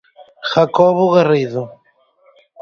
Jacobo Garrido.